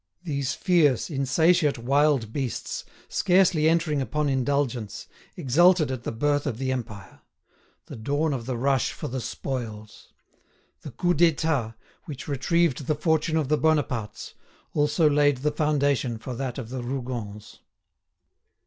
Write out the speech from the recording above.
These fierce, insatiate wild beasts, scarcely entering upon indulgence, exulted at the birth of the Empire—the dawn of the Rush for the Spoils. The Coup d'État, which retrieved the fortune of the Bonapartes, also laid the foundation for that of the Rougons.